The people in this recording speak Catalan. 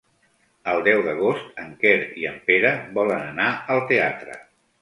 El deu d'agost en Quer i en Pere volen anar al teatre.